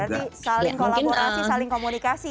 berarti saling kolaborasi saling komunikasi